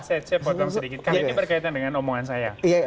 saya potong sedikit karena ini berkaitan dengan omongan saya